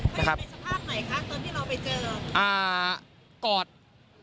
เขายังเป็นสภาพไหนคะตอนที่เราไปเจอ